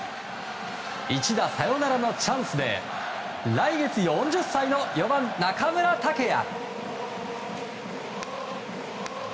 一打サヨナラのチャンスに来月４０歳の４番、中村剛也。